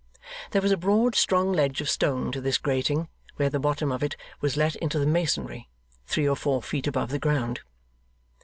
There was a broad strong ledge of stone to this grating where the bottom of it was let into the masonry, three or four feet above the ground.